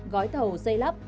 gói thầu xây lắp